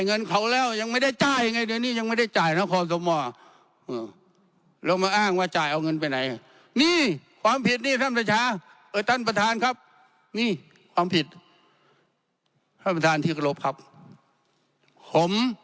เงินเขาแล้วยังไม่ได้จ้ายังไงเดี๋ยวนี่ยังไม่ได้จ่าย